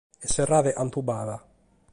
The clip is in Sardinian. E serrade cantu b’at.